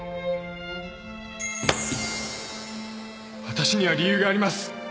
わたしには理由があります